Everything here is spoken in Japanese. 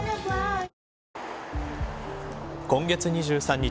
今月２３日